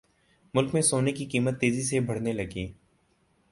ملک میں سونے کی قیمت تیزی سے بڑھنے لگی